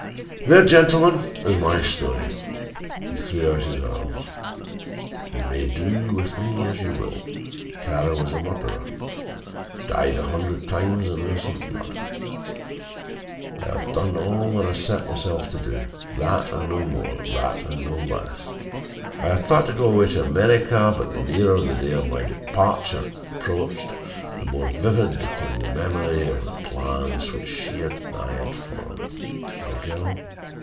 "There, gentlemen, is my story!" He threw out his arms. "You may do with me as you will. Kara was a murderer, dyed a hundred times in innocent blood. I have done all that I set myself to do that and no more that and no less. I had thought to go away to America, but the nearer the day of my departure approached, the more vivid became the memory of the plans which she and I had formed, my girl...